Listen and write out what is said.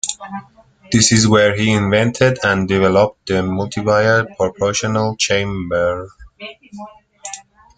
This is where he invented, and developed, the multiwire proportional chamber.